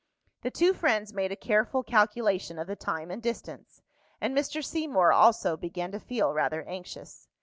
The two friends made a careful calculation of the time and distance, and Mr. Seymour also began to feel rather anxious.